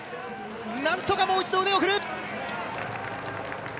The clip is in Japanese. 何とかもう一度腕を振る！